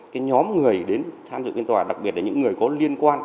cái nhóm người đến tham dự phiên tòa đặc biệt là những người có liên quan